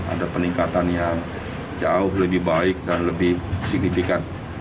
ada peningkatan yang jauh lebih baik dan lebih signifikan